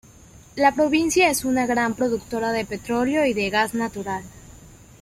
La provincia es una gran productora de petróleo y de gas natural.